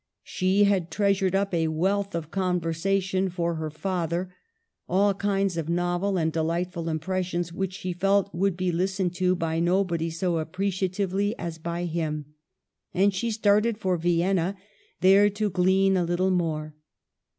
She had treasured up a wealth of conversation for her father — all kinds of novel and delightful impres sions which she felt would be listened to by no body so appreciatively as by him ; and she started for Vienna, there to glean a little more.